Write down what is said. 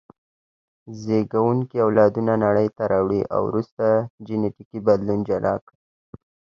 زېږوونکي اولادونه نړۍ ته راوړي او وروسته جینټیکي بدلون جلا کړل.